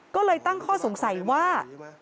ก็เลยตั้งข้อสงสัยว่า